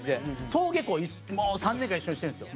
もう３年間一緒にしてるんですよ。